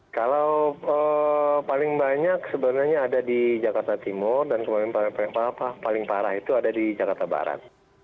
kalau paling banyak sebenarnya ada di jakarta timur dan kemudian paling parah itu ada di jakarta barat